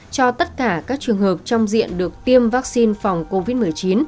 cho tất cả các trường hợp trong diện được tiêm vaccine phòng covid một mươi chín